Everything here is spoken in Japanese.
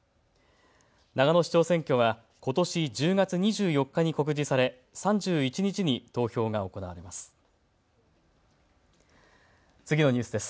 長野市長選挙はことし１０月２４日に告示され、３１日に投票が行われます。